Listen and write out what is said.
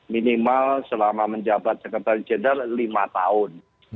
minimal selama menjabat sekretaris jenderal lima tahun